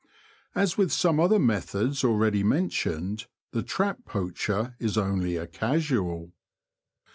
As with some other methods already mentioned, the trap poacher is only a casual.